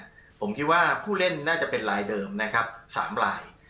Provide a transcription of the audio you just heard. ผมคิดว่าผู้เล่นน่าจะเป็นลายเดิมนะครับ๓ลาย